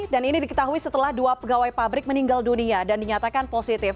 dan ini diketahui setelah dua pegawai pabrik meninggal dunia dan dinyatakan positif